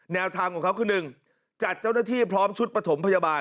แนวทางของเขาคือ๑จัดเจ้าหน้าที่พร้อมชุดปฐมพยาบาล